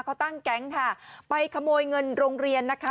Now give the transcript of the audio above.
เขาตั้งแก๊งค่ะไปขโมยเงินโรงเรียนนะคะ